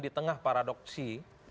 di tengah paradoksi